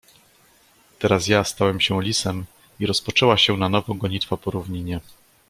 "Teraz ja stałem się lisem i rozpoczęła się na nowo gonitwa po równinie."